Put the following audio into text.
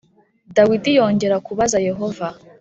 Dawidi yongera kubaza yehova